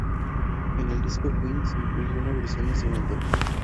En el disco "Queen" se incluye una versión instrumental.